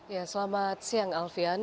ya selamat siang alfian